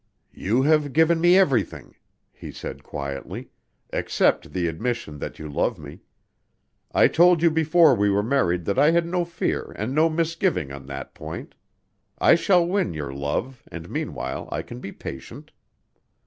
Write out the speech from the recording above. "You have given me everything," he said quietly, "except the admission that you love me. I told you before we were married that I had no fear and no misgiving on that point. I shall win your love, and meanwhile I can be patient."